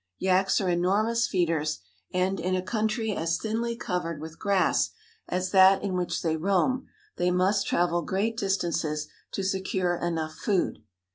Yaks are enormous feeders, and, in a country as thinly covered with grass as that in which they roam, they must travel great distances to secure enough food.